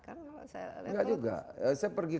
gak juga saya pergi